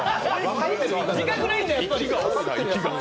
自覚ないんだ、やっぱり。